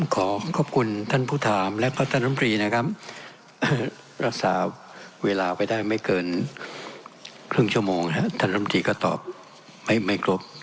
ขอบคุณท่านผู้ถามและพ่อท่านรัมภีร์นะครับรักษาเวลาไปได้ไม่เกินครึ่งชั่วโมงต้อนรับบีก็ตอบให้ไม่ครบ